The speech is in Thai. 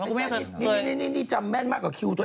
ไม่ใช่นี่จำแม่นมากกว่าคิวตัวเอง